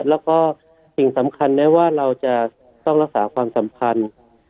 แล้วก็สิ่งสำคัญได้ว่าเราจะต้องรักษาความสัมพันธ์